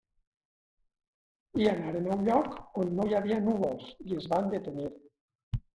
I anaren a un lloc on no hi havia núvols i es van detenir.